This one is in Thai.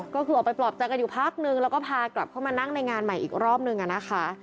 ก็เอาไปปลอบใจกันอยู่ภาคหนึ่งแล้วก็พาเขากลับเข้ามานั่งในงานอีกรอบหนึ่งอ่ะนะคะ